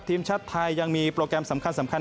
ทีมชาติไทยยังมีโปรแกรมสำคัญ